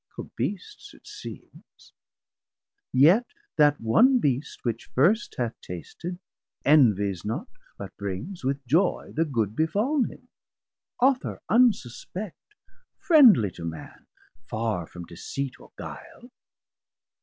For Beasts it seems: yet that one Beast which first Hath tasted, envies not, but brings with joy 770 The good befall'n him, Author unsuspect, Friendly to man, farr from deceit or guile.